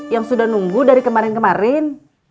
yang sudah nunggu dari kemarin kemarin